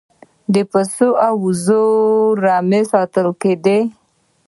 د پسونو او وزو رمې ساتل کیدې